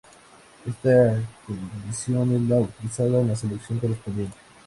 Esta condición es la utilizada en la sección correspondiente.